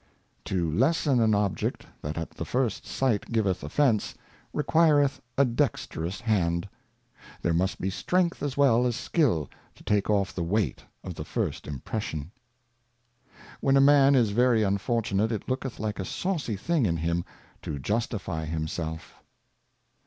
To lessen an Object that at the first Sight giveth Offence, requireth a dexterous Hand : There must be Strength as well as Skill to take off the Weight of the first Impression. When a Man is very unfortunate, it looketh like a saucy thing in him to justify himself.